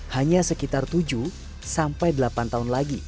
hanya sekitar tujuh delapan tahun lalu